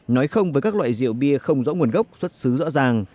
nói không với các loại rượu bia không rõ nguồn gốc xuất xứ rõ ràng